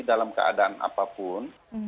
dalam keadaan apapun